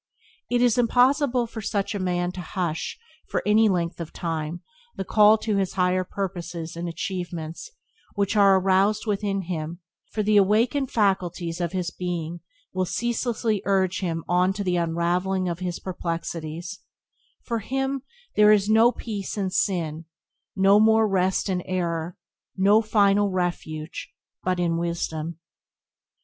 It is impossible for such a man to hush, for any length of time, the call to higher purposes and achievements which is aroused within him, for the awakened faculties of his being will ceaselessly urge him on to the unravelling of his perplexities; for him there is no more peace in sin, no more rest in error, no final refuge but in Wisdom.